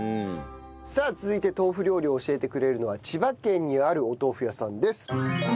さあ続いて豆腐料理を教えてくれるのは千葉県にあるお豆腐屋さんです。